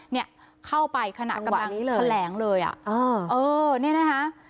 เนี่ยเข้าไปขณะกำลังแถลงเลยอ่ะเออเออเนี่ยนะคะ